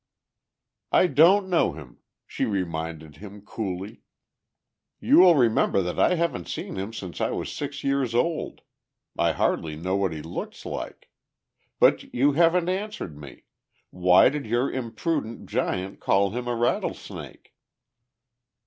"I don't know him," she reminded him coolly. "You will remember that I haven't seen him since I was six years old. I hardly know what he looks like. But you haven't answered me; why did your imprudent giant call him a rattlesnake?"